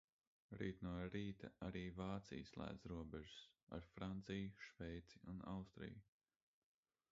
Rīt no rīta arī Vācija slēdz robežas - ar Franciju, Šveici un Austriju.